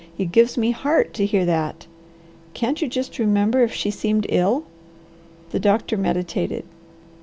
It gives me heart to hear that. Can't you just remember if she seemed ill?" The doctor meditated.